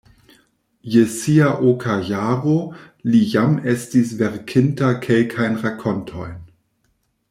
Je sia oka jaro li jam estis verkinta kelkajn rakontojn.